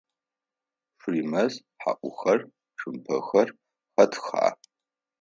Шъуимэз хьаӏухэр, цумпэхэр хэтха?